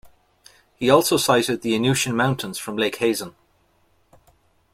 He also sighted the Innuitian Mountains from Lake Hazen.